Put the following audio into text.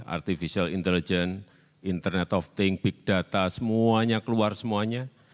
artificial intelligence internet of thing big data semuanya keluar semuanya